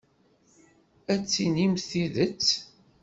Ad d-tinimt tidet.